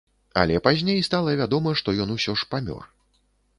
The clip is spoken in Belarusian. Але пазней стала вядома, што ён усё ж памёр.